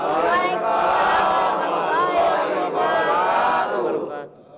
assalamualaikum warahmatullahi wabarakatuh